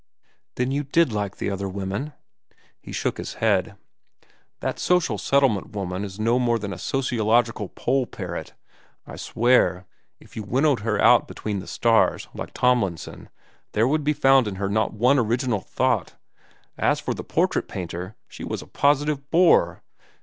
"Then you did like the other women?" He shook his head. "That social settlement woman is no more than a sociological poll parrot. I swear, if you winnowed her out between the stars, like Tomlinson, there would be found in her not one original thought. As for the portrait painter, she was a positive bore.